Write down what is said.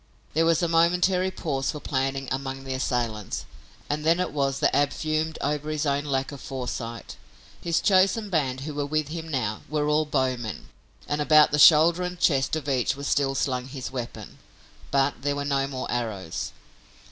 There was a momentary pause for planning among the assailants, and then it was that Ab fumed over his own lack of foresight. His chosen band who were with him now were all bowmen, and about the shoulder and chest of each was still slung his weapon, but there were no more arrows.